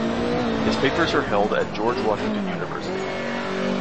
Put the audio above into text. His papers are held at George Washington University.